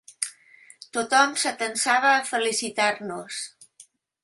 Tothom s’atansava a felicitar-nos.